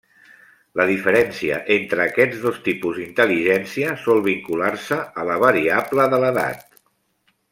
La diferència entre aquests dos tipus d'intel·ligència sol vincular-se a la variable de l’edat.